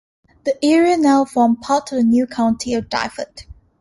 The area now formed part of the new county of Dyfed.